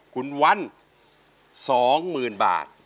คุณวัน๒หมื่นบาท